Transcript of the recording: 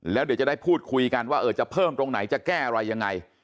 แล้วเดี๋ยวจะได้พูดคุยกันว่าจะเพิ่มตรงไหนจะแก้อะไรยังไง